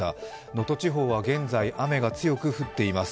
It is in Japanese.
能登地方は現在、雨が強く降っています。